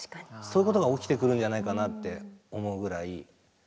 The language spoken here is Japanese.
そういうことが起きてくるんじゃないかなって思うぐらい。